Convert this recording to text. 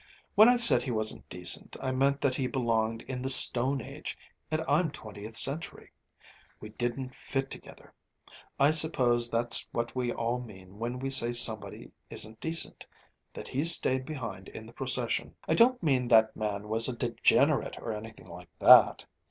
When I said he wasn't decent, I meant that he belonged in the Stone Age, and I'm twentieth century. We didn't fit together. I suppose that's what we all mean when we say somebody isn't decent ... that he's stayed behind in the procession. I don't mean that man was a degenerate or anything like that